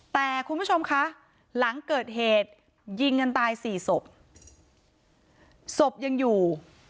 แต่คุณผู้ชมคะหลังเกิดเหตุยิงกันตายสี่ศพศพยังอยู่